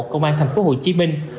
công an thành phố hồ chí minh